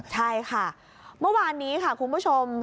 ใช่ค่ะเมื่อวานนี้ค่ะคุณผู้ชม